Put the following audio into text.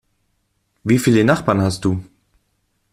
Wie viele Nachbarn hast du?